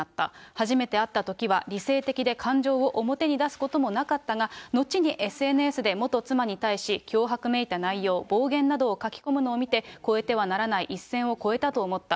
初めて会ったときは理性的で感情を表に出すこともなかったが、後にＳＮＳで元妻に対し脅迫めいた内容、暴言などを書き込むのを見て、越えてはならない一線を越えたと思った。